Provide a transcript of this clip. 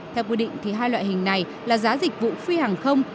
theo quy định hai loại hình này là giá dịch vụ phi hàng không